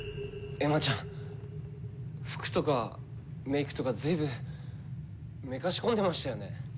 エマちゃん服とかメイクとか随分めかし込んでましたよね。